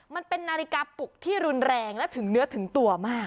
มันเป็นนาฬิกาปลุกที่รุนแรงและถึงเนื้อถึงตัวมาก